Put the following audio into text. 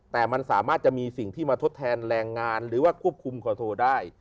แต่มันสามารถจะมีสิ่งที่มาทดแทนแรงงานหรือว่าควบคุมคอโทได้